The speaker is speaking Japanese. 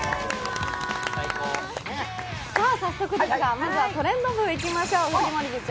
早速ですがまずは「トレンド部」いきましょう。